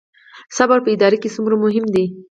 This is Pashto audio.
صبر په اداره کې څومره مهم دی؟